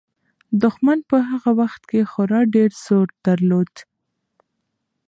دښمن په هغه وخت کې خورا ډېر زور درلود.